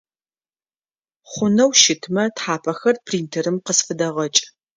Хъунэу щытмэ тхьапэхэр принтерым къысфыдэгъэкӏ.